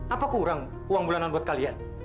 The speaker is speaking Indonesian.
apa kurang uang bulanan buat kalian